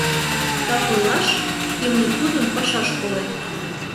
Так ойлаш, имне тудын пашаш колен.